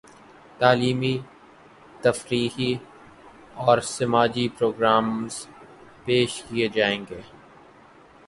تعلیمی ، تفریحی اور سماجی پرو گرامز پیش کیے جائیں گے